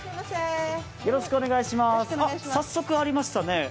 早速ありましたね。